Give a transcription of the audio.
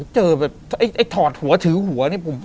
เจอแบบไอ้ถอดหัวถือหัวนี่